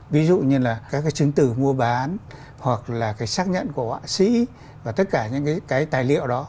ví dụ như là các cái chứng từ mua bán hoặc là cái xác nhận của họa sĩ và tất cả những cái tài liệu đó